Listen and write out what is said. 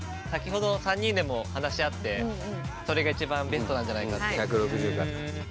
先ほど３人でも話し合ってそれが一番ベストなんじゃないかって。